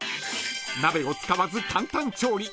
［鍋を使わず簡単調理］